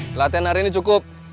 pelatihan hari ini cukup